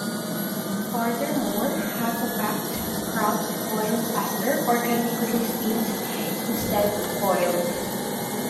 Furthermore, half backed crabs boil faster or can be quickly steamed instead of boiled.